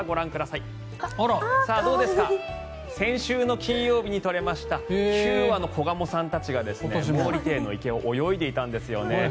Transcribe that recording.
さあ、どうですか先週の金曜日に撮れました９羽の子ガモさんたちが毛利庭園の池を泳いでいたんですよね。